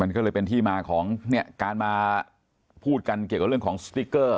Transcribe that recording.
มันก็เลยเป็นที่มาของเนี่ยการมาพูดกันเกี่ยวกับเรื่องของสติ๊กเกอร์